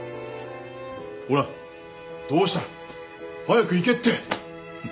ほらどうした？早く行けって。